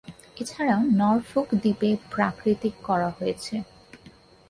এছাড়াও নরফোক দ্বীপে প্রাকৃতিক করা হয়েছে।